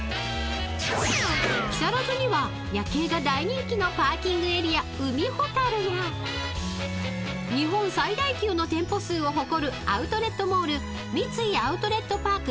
［木更津には夜景が大人気のパーキングエリア海ほたるや日本最大級の店舗数を誇るアウトレットモール三井アウトレットパーク